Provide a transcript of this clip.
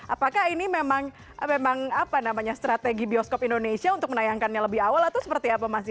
apakah ini memang apa namanya strategi bioskop indonesia untuk menayangkannya lebih awal atau seperti apa mas